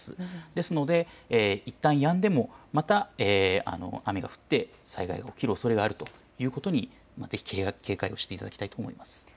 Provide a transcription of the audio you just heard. ですのでいったんやんでもまた雨が降って災害が起きるおそれがあるということにぜひ警戒をしていただきたいと思います。